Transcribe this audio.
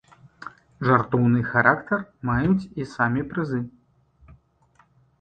Жартоўны характар маюць і самі прызы.